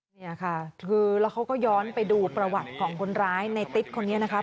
เนี่ยค่ะคือแล้วเขาก็ย้อนไปดูประวัติของคนร้ายในติ๊ดคนนี้นะคะ